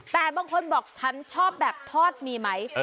แต่บางคนบอกฉันชอบแบบทอดมีไหม